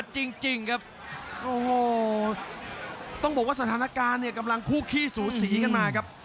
จริงครับโอ้โหต้องบอกว่าสถานการณ์เนี่ยกำลังคู่ขี้สูสีกันมาครับ